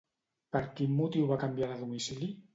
Per quin motiu va canviar de domicili?